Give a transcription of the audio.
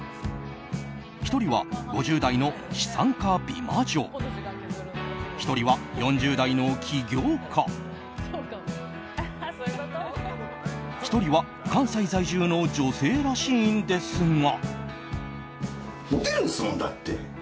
１人は５０代の資産家美魔女１人は４０代の起業家１人は関西在住の女性らしいんですが。